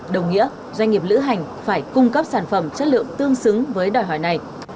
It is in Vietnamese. đồng nghĩa doanh nghiệp lữ hành phải cung cấp sản phẩm chất lượng tương xứng với đòi hỏi này